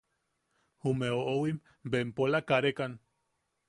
Jume oʼowim bempola karekan.